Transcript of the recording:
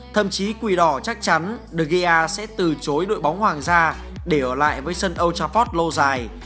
thậm chí quỳ đỏ chắc chắn de gea sẽ từ chối đội bóng hoàng gia để ở lại với sân old trafford lâu dài